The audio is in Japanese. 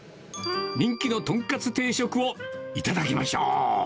人気のとんかつ定食をいただきましょう。